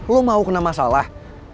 lo mau kena masalah